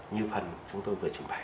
như phần chúng tôi vừa trình bày